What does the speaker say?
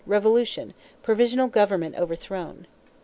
Revolution; provisional government overthrown.